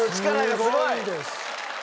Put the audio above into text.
すごいです。